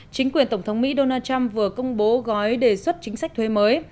chính quyền tổng thống mỹ donald trump vừa công bố gói đề xuất chính sách thuế mới